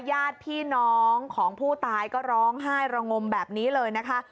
ญาติพี่น้องของผู้ตายก็ร้องไห้ระงมแบบนี้เลยนะคะ